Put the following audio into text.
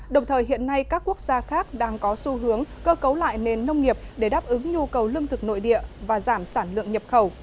đồng thời hiện nay các quốc gia khác đang có xu hướng cơ cấu lại nền nông nghiệp để đáp ứng nhu cầu lương thực nội địa và giảm sản lượng nhập khẩu